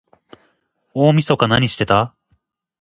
大晦日なにしてた？